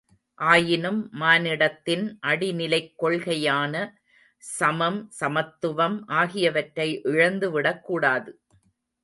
ஆயினும் மானிடத்தின் அடிநிலைக் கொள்கையான சமம், சமத்துவம் ஆகியனவற்றை இழந்து விடக்கூடாது.